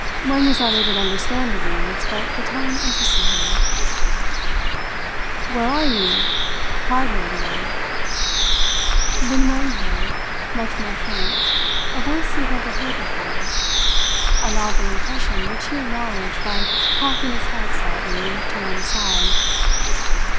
Wang was not able to understand the words, but the tone interested him. "Where are you?" cried Number One. Then Wang heard, much more faint, a voice he had never heard before a novel impression which he acknowledged by cocking his head slightly to one side.